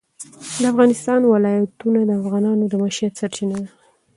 د افغانستان ولايتونه د افغانانو د معیشت سرچینه ده.